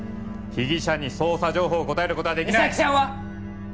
被疑者に捜査情報を答えることはできない実咲ちゃんは！？